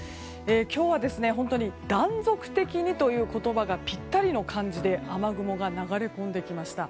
今日は本当に断続的にという言葉がぴったりな感じで雨雲が流れ込んできました。